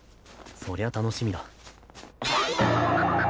そりゃ楽しみだ。